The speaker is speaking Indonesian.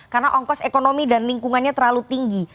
karena ongkos ekonomi dan lingkungannya terlalu tinggi